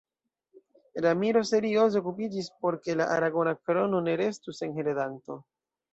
Ramiro serioze okupiĝis por ke la Aragona Krono ne restu sen heredanto.